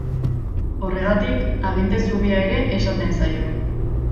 Horregatik, aginte zubia ere esaten zaio.